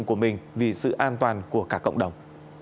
của mình vì sự an toàn của cả cộng đồng